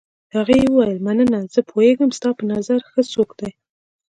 هغې وویل: مننه، زه پوهېږم ستا په نظر ښه څوک دی.